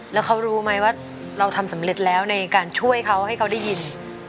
แล้วเขารู้ไหมว่าเราทำสำเร็จแล้วในการช่วยเขาให้เขาได้ยิน